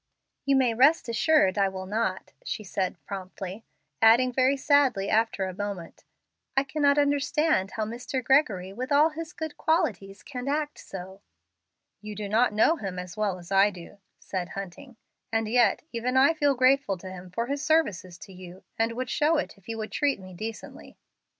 "You may rest assured I will not," she said, promptly; adding very sadly after a moment, "I cannot understand how Mr. Gregory, with all his good qualities, can act so." "You do not know him so well as I do," said Hunting; "and yet even I feel grateful to him for his services to you, and would show it if he would treat me decently."